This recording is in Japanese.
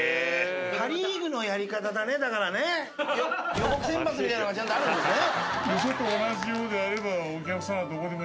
予告先発みたいなのがちゃんとあるんですね。